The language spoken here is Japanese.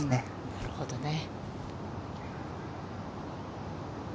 なるほどね。